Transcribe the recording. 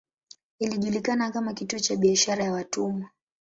Ilijulikana kama kituo cha biashara ya watumwa.